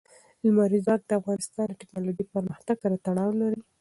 لمریز ځواک د افغانستان د تکنالوژۍ پرمختګ سره تړاو لري.